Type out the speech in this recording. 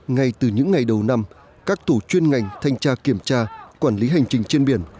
ngay từ những ngày đầu năm các tổ chuyên ngành thanh tra kiểm tra quản lý hành trình trên biển